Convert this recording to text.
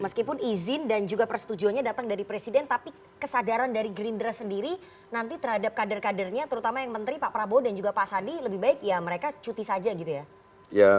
meskipun izin dan juga persetujuannya datang dari presiden tapi kesadaran dari gerindra sendiri nanti terhadap kader kadernya terutama yang menteri pak prabowo dan juga pak sandi lebih baik ya mereka cuti saja gitu ya